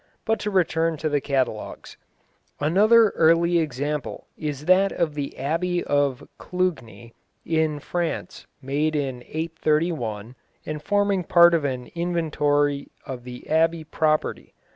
But to return to the catalogues. Another early example is that of the Abbey of Clugni, in France, made in 831, and forming part of an inventory of the Abbey property.